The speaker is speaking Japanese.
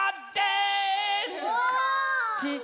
すごい。